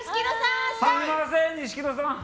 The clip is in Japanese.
すみません、錦野さん。